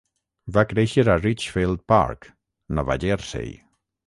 Va créixer a Ridgefield Park, Nova Jersey.